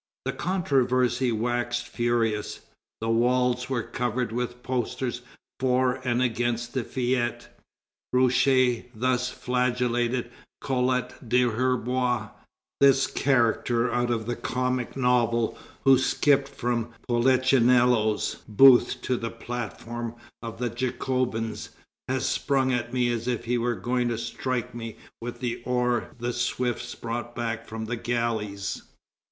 The controversy waxed furious. The walls were covered with posters for and against the fête. Roucher thus flagellated Collot d'Herbois: "This character out of a comic novel, who skipped from Polichinello's booth to the platform of the Jacobins, has sprung at me as if he were going to strike me with the oar the Swiss brought back from the galleys!"